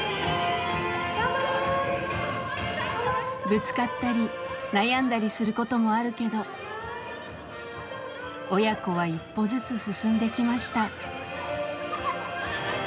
ぶつかったり悩んだりすることもあるけど親子は一歩ずつ進んできました。